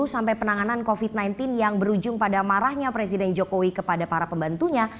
sampai penanganan covid sembilan belas yang berujung pada marahnya presiden jokowi kepada para pembantunya